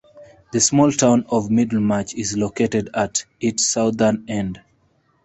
The small town of Middlemarch is located at its southern end.